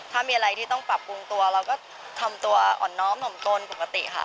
ถ้ามีอะไรที่ต้องปรับปรุงตัวเราก็ทำตัวอ่อนน้อมหนมตนปกติค่ะ